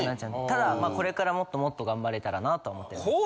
ただこれからもっともっと頑張れたらなとは思ってます。